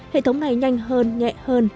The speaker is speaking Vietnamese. hệ thống này nhanh hơn nhẹ hơn